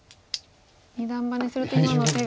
二段バネすると今の手が。